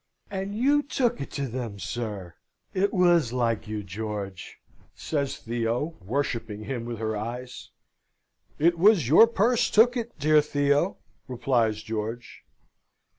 "And you took it to them, sir? It was like you, George!" says Theo, worshipping him with her eyes. "It was your purse took it, dear Theo!" replies George.